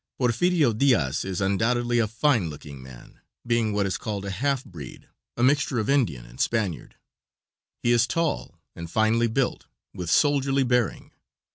Perfirio Diaz is undoubtedly a fine looking man, being what is called a half breed, a mixture of Indian and Spaniard. He is tall and finely built, with soldierly bearing.